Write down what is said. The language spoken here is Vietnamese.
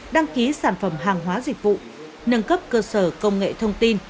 đăng ký sản phẩm hàng hóa dịch vụ nâng cấp cơ sở công nghệ thông tin